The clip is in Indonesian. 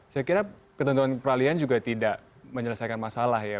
saya kira ketentuan peralihan juga tidak menyelesaikan masalah ya